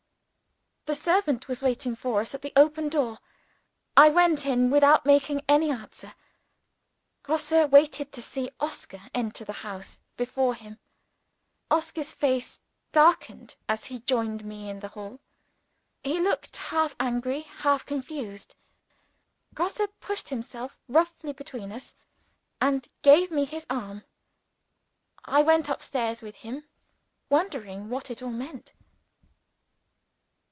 The servant was waiting for us at the open door. I went an without making any answer. Grosse waited to see Oscar enter the house before him. Oscar's face darkened as he joined me in the hall. He looked half angry, half confused. Grosse pushed himself roughly between us, and gave me his arm. I went up stairs with him, wondering what it all meant.